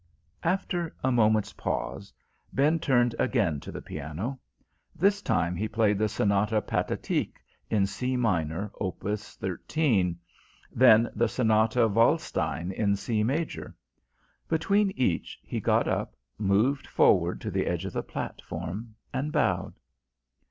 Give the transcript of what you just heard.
After a moment's pause, Ben turned again to the piano. This time he played the Sonata Pathétique in C Minor, Op. XIII; then the Sonata Walstein in C Major. Between each, he got up, moved forward to the edge of the platform, and bowed.